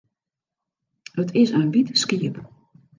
It is in wyt skiep.